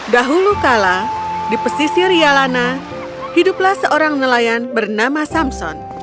dahulu kala di pesisir yalana hiduplah seorang nelayan bernama samson